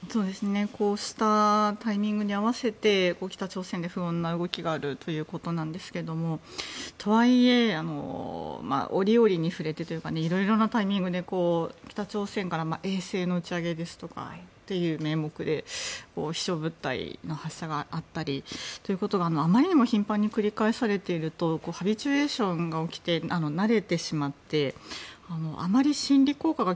こうしたタイミングに合わせて北朝鮮で不穏な動きがあるということですがとはいえ、折々に触れてというか色々なタイミングで北朝鮮から衛星の打ち上げですとかという名目で飛翔物体の発射があったりということがあまりにも頻繁に繰り返されていると慣れてしまってあまり心理効果が